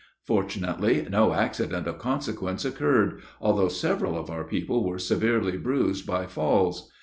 Fortunately, no accident of consequence occurred, although several of our people were severely bruised by falls.